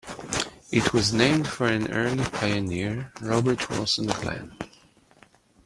It was named for an early pioneer, Robert Wilson Glenn.